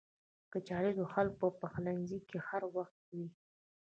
کچالو د خلکو په پخلنځي کې هر وخت وي